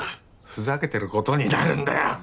ふざけてる事になるんだよ！